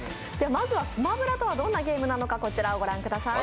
まずは「スマブラ」とはどんなゲームなのかご覧ください。